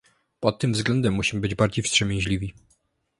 Pod tym względem musimy być bardziej wstrzemięźliwi